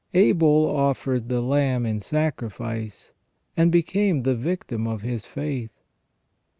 Abel offered the lamb in sacrifice, and became the victim of his faith.